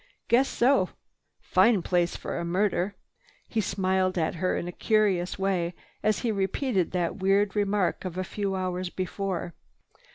"Guess so. Fine place for a murder." He smiled at her in a curious way as he repeated that weird remark of a few hours before.